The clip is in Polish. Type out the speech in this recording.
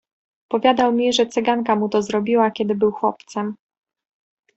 "Powiadał mi, że cyganka mu to zrobiła, kiedy był chłopcem."